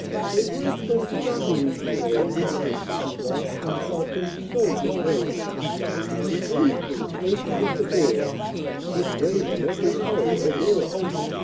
They were so shockingly behaved And Boston thought them so depraved, Policemen, stationed at the door, Would raid them every hour or more!